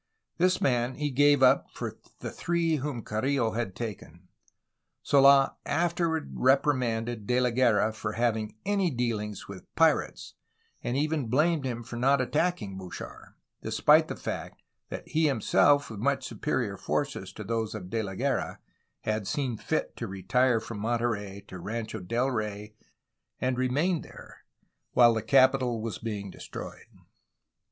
This man he gave up for the three whom Carrillo had taken. Sold, afterward re primanded De la Guerra for having any dealings with ''pirates," and even blamed him for not attacking Bouchard, — despite the fact that he himself, with much superior forces to those of De la Guerra, had seen fit to retire from Monterey to Rancho del Rey and remain there while the capital was being destroyed.